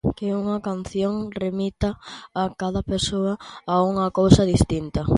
Que unha canción remita a cada persoa a unha cousa distinta.